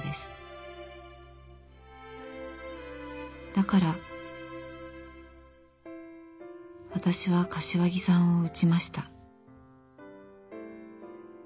だからわたしは柏木さんを撃ちました。